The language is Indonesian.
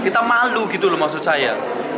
kita malu gitu loh maksud saya